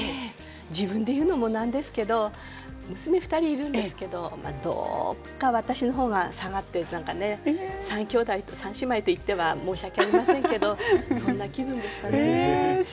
自分で言うのもなんですけれど娘が２人いるんですけれどどっか、私の方が下がっているというか三姉妹と言っては申し訳ありませんけれどもそんな気分ですかね。